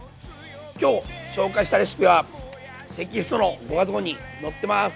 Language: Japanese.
今日紹介したレシピはテキストの５月号に載ってます。